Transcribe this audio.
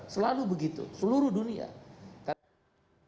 selalu begitu seluruh dunia